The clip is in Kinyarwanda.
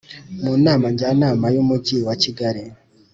mu Nama Njyanama y Umujyi wa Kigali